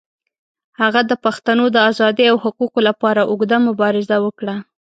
هغه د پښتنو د آزادۍ او حقوقو لپاره اوږده مبارزه وکړه.